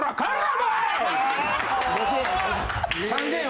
５０００円。